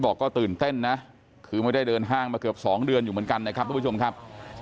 มันก็น่าจะช่วยได้แบบว่าทำให้เราไม่ต้องตื่นตะหนกไม่ต้องกลัวอะไรมาก